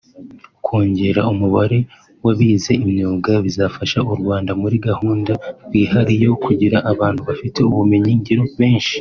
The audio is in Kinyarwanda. Kongera umubare w’abize imyuga bizafasha u Rwanda muri gahunda rwihaye yo kugira abantu bafite ubumenyi ngiro benshi